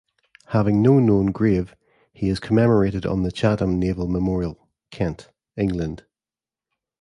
Having no known grave, he is commemorated on the Chatham Naval Memorial, Kent, England.